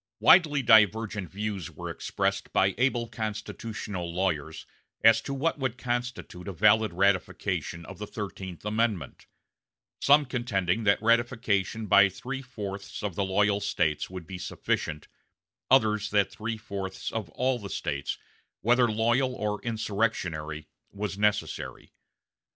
Widely divergent views were expressed by able constitutional lawyers as to what would constitute a valid ratification of the Thirteenth Amendment; some contending that ratification by three fourths of the loyal States would be sufficient, others that three fourths of all the States, whether loyal or insurrectionary, was necessary.